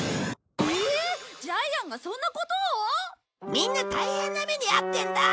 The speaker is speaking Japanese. みんな大変な目に遭ってるんだ！